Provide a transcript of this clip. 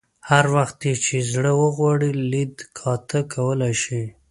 هر وخت یې چې زړه وغواړي لیده کاته کولای شي.